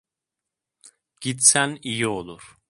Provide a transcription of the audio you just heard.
Gitsen iyi olur.